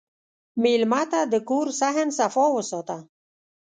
مېلمه ته د کور صحن صفا وساته.